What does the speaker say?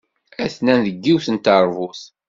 Atnan deg yiwet n teṛbut.